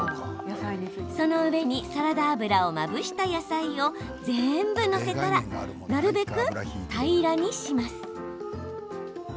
その上にサラダ油をまぶした野菜を全部載せたらなるべく平らにします。